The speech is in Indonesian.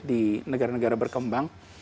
di negara negara berkembang